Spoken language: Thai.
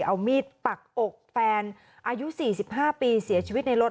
เอามีดปักอกแฟนอายุ๔๕ปีเสียชีวิตในรถ